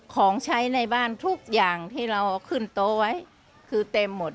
ของใช้ในบ้านทุกอย่างที่เราเอาขึ้นโต๊ะไว้คือเต็มหมด